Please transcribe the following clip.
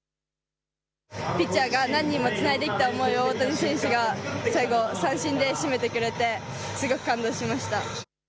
ピッチャーが何人もつないできた思いを大谷選手が最後、三振で締めてくれてすごく感動しました。